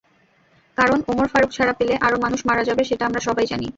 কারণ ওমর ফারুক ছাড়া পেলে আরও মানুষ মারা যাবে সেটা আমরা সবাই জানি।